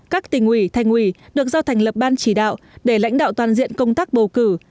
các tỉnh ủy thành ủy được giao thành lập ban chỉ đạo để lãnh đạo toàn diện công tác bầu cử